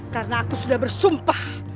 karena aku sudah bersumpah